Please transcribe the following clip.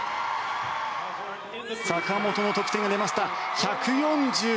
坂本の得点が出ました。